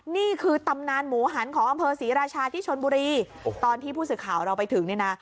นี่คือตำนานหมูหันของอำเภอศรีราชาที่ชนบุรีตอนที่ผู้สื่อข่าวเราไปถึงเนี่ยนะ